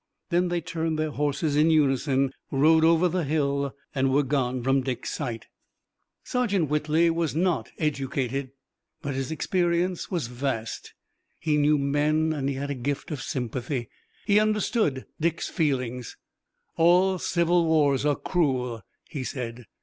Then they turned their horses in unison, rode over the hill and were gone from Dick's sight. Sergeant Whitley was not educated, but his experience was vast, he knew men and he had the gift of sympathy. He understood Dick's feelings. "All civil wars are cruel," he said.